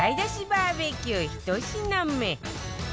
バーベキュー１品目